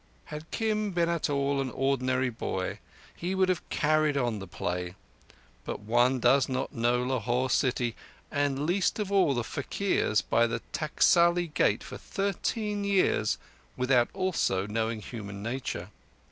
Had Kim been at all an ordinary boy, he would have carried on the play; but one does not know Lahore city, and least of all the faquirs by the Taksali Gate, for thirteen years without also knowing human nature.